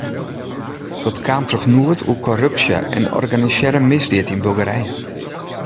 Dat kaam troch noed oer korrupsje en organisearre misdied yn Bulgarije.